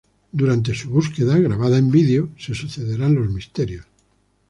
Durante su búsqueda, grabada en vídeo, se sucederán los misterios.